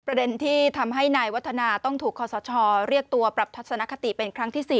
ที่ทำให้นายวัฒนาต้องถูกคอสชเรียกตัวปรับทัศนคติเป็นครั้งที่๔